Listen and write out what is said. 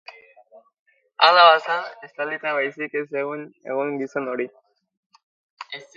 Hala bazen, estalita baizik ez zen egon gizon hori.